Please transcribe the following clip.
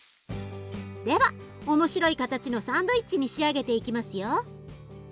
では面白い形のサンドイッチに仕上げていきますよ。